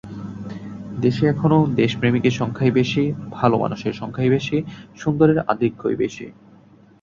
দেশে এখনো দেশপ্রেমিকের সংখ্যাই বেশি, ভালো মানুষের সংখ্যাই বেশি, সুন্দরের আধিক্যই বেশি।